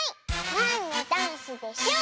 なんのダンスでしょう？